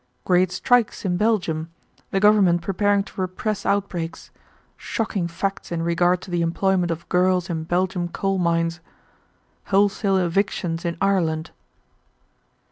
Great strikes in Belgium. The government preparing to repress outbreaks. Shocking facts in regard to the employment of girls in Belgium coal mines. Wholesale evictions in Ireland.